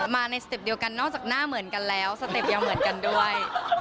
มาในสเต็ปเดียวกันนอกจากหน้าเหมือนกันแล้วสเต็ปยังเหมือนกันด้วย